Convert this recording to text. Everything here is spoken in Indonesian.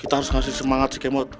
kita harus ngasih semangat si kemot